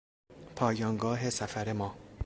پایانگاه سفر ما